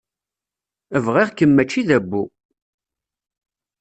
Bɣiɣ-kem mačči d abbu.